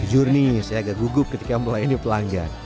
sejujurni saya agak gugup ketika melayani pelanggan